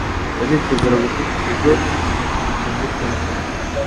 baritegura gufata ikigo ducumbitsemo